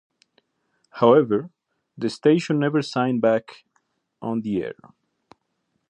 However, the station never signed back on the air.